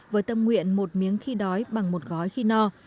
với tâm nguyện một miếng khi đói bằng một gói khi no